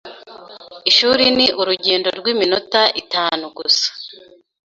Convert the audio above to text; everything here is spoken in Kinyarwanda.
Ishuri ni urugendo rw'iminota itanu gusa.